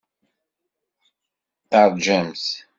Teṛjamt.